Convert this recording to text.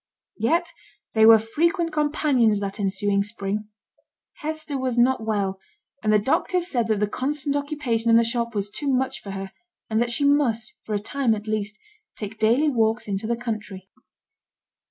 Yet they were frequent companions that ensuing spring. Hester was not well; and the doctors said that the constant occupation in the shop was too much for her, and that she must, for a time at least, take daily walks into the country.